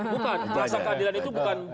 bukan rasa keadilan itu bukan